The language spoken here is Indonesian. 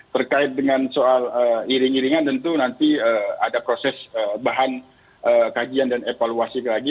terkait dengan soal iring iringan tentu nanti ada proses bahan kajian dan evaluasi lagi